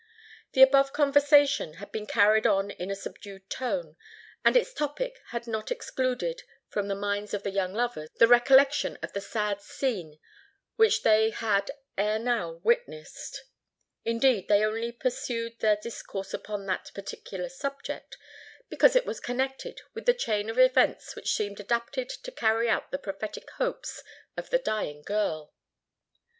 The above conversation had been carried on in a subdued tone; and its topic had not excluded from the minds of the young lovers the recollection of the sad scene which they had ere now witnessed. Indeed they only pursued their discourse upon that particular subject, because it was connected with the chain of events which seemed adapted to carry out the prophetic hopes of the dying girl.